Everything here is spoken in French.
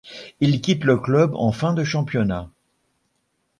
Il quitte le club en fin de championnat.